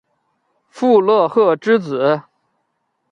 傅勒赫之子。